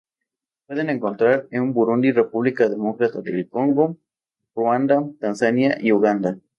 Se puede encontrar en Burundi, República Democrática del Congo, Ruanda, Tanzania y Uganda.